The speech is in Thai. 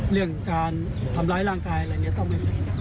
เรื่องการทำร้ายร่างกายอะไรอย่างนี้ต้องไม่มี